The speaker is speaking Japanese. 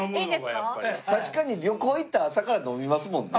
確かに旅行行ったら朝から飲みますもんね